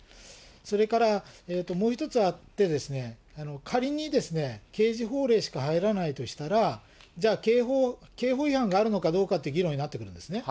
それから、もう一つあって、仮に刑事法令しか入らないとしたら、じゃあ、刑法違反があるのかどうかという議論になってくるんですね。